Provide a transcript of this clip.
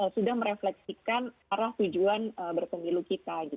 sudah merefleksikan arah tujuan berpemilu kita